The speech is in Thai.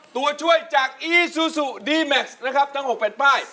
ตัวช่วยจากอีซูซูดีแม็กซ์นะครับทั้ง๖แผ่นป้าย